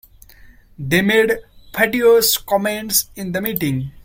They made fatuous comments in the meeting.